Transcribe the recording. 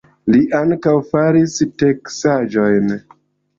Li ankaŭ faris teksaĵojn.